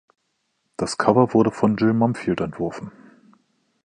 Das Cover wurde von Jill Mumfield entworfen.